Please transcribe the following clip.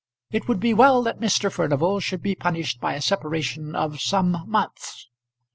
It would be well that Mr. Furnival should be punished by a separation of some months.